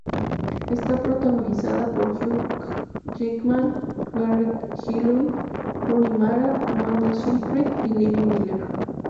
Está protagonizada por Hugh Jackman, Garrett Hedlund, Rooney Mara, Amanda Seyfried, y Levi Miller.